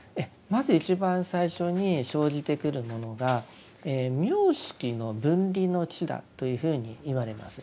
まず一番最初に生じてくるものが名色の分離の智だというふうにいわれます。